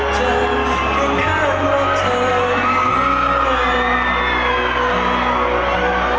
แต่มันพบฉันแค่ข้างหลังเธอดีกว่า